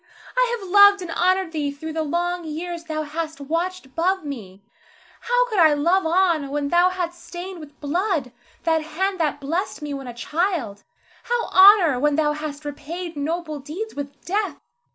I have loved and honored thee through the long years thou hast watched above me. How could I love on when thou hadst stained with blood that hand that blessed me when a child, how honor when thou hadst repaid noble deeds with death?